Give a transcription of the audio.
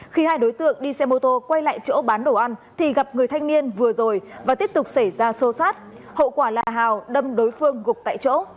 khi hai đối tượng đi xe mô tô quay lại chỗ bán đồ ăn thì gặp người thanh niên vừa rồi và tiếp tục xảy ra xô xát hậu quả là hào đâm đối phương gục tại chỗ